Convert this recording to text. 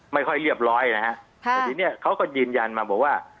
ไม่ค่อยเรียบร้อยนะฮะค่ะแต่ทีนี้เขาก็ยืนยันมาบอกว่า